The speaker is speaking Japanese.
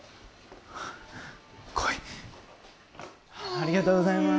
ありがとうございます。